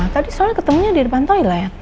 tadi soalnya ketemunya di depan toilet